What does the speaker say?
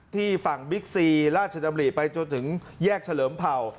ที่ฝั่งบิ๊กซีราชดำริไปจนถึงแยกเฉลิมเผ่า